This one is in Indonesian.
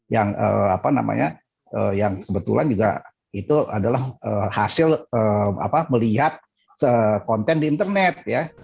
yang sebetulan juga itu adalah hasil melihat konten di internet